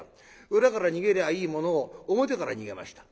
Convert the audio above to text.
裏から逃げりゃあいいものを表から逃げました。